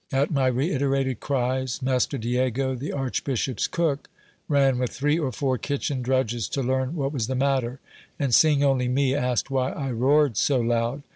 At my reiterated cries master Diego, the archbishop's cook, ran with three or four kitchen drudges to learn what was the matter ; and seeing only me, ajked why I roared so loud.